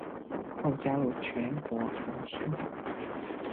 后加入全国革新党。